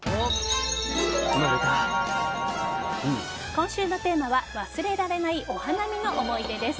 今週のテーマは忘れられないお花見の思い出です。